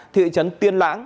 thị trấn tiên lãng